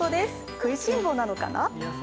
食いしん坊なのかな。